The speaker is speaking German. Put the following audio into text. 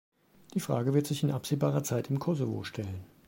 Die Frage wird sich in absehbarer Zeit im Kosovo stellen.